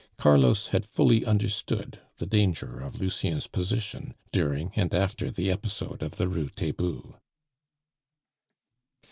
Carlos had fully understood the danger of Lucien's position during and after the episode of the Rue Taitbout.